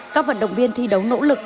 các vận động viên thi đấu nỗ lực